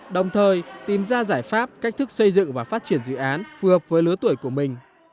đồng thời tìm ra giải pháp cách thức xây dựng và phát triển dự án phù hợp với lứa tuổi của mình